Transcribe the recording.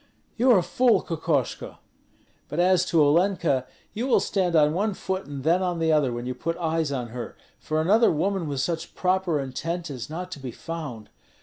"You are a fool, Kokoshko! But as to Olenka you will stand on one foot and then on the other when you put eyes on her, for another woman with such proper intent is not to be found.